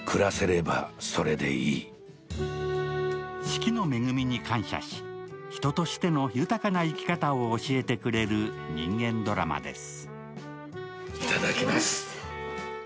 四季の恵みに感謝し、人としての豊かな生き方を教えてくれる人間ドラマです。